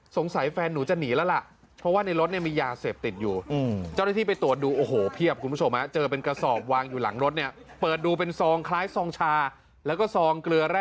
แฟนหนูจะหนีแล้วล่ะเพราะว่าในรถเนี่ยมียาเสพติดอยู่